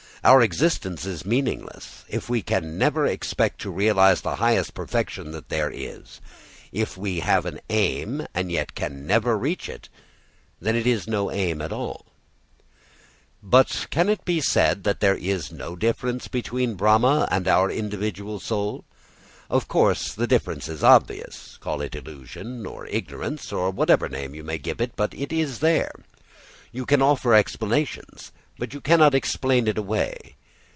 Our existence is meaningless if we never can expect to realise the highest perfection that there is. If we have an aim and yet can never reach it, then it is no aim at all. But can it then be said that there is no difference between Brahma and our individual soul? Of course the difference is obvious. Call it illusion or ignorance, or whatever name you may give it, it is there. You can offer explanations but you cannot explain it away.